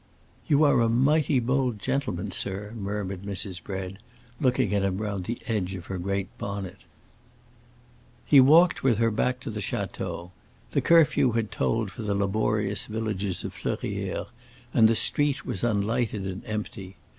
"You are a mighty bold gentleman, sir," murmured Mrs. Bread, looking at him round the edge of her great bonnet. He walked with her back to the château; the curfew had tolled for the laborious villagers of Fleurières, and the street was unlighted and empty.